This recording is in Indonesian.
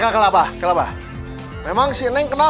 kelak apa kelak apa memang si neng kenal